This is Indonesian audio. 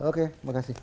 oke terima kasih